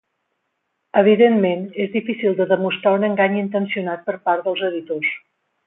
Evidentment, és difícil de demostrar un engany intencionat per part dels editors.